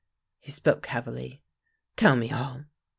He spoke heavily. " Tell me all